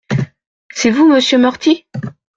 C’est vous monsieur Murthy ?